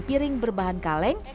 piring berbahan kaleng